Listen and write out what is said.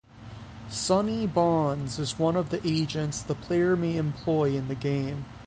Sonny Bonds is one of the agents the player may employ in the game.